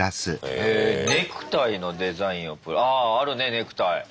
へネクタイのデザインをあああるねネクタイ。